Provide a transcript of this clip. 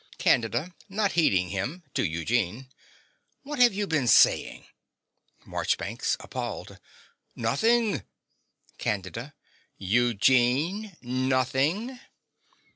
CANDIDA (not heeding him to Eugene). What have you been saying? MARCHBANKS (appalled). Nothing CANDIDA. Eugene! Nothing?